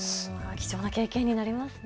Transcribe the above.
貴重な経験になりますね。